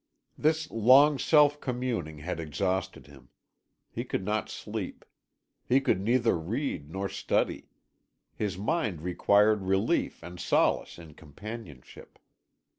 This long self communing had exhausted him. He could not sleep; he could neither read nor study. His mind required relief and solace in companionship.